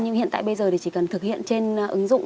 nhưng hiện tại bây giờ thì chỉ cần thực hiện trên ứng dụng